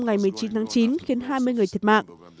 ngày một mươi chín tháng chín khiến hai mươi người thiệt mạng